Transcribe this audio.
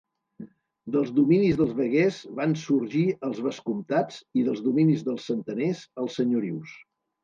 Dels dominis dels veguers van sorgir els vescomtats i dels dominis dels centeners els senyorius.